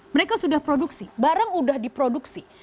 mereka sudah produksi barang sudah diproduksi